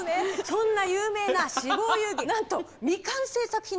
そんな有名な「死亡遊戯」なんと未完成作品なんです。